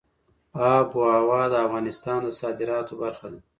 آب وهوا د افغانستان د صادراتو برخه ده.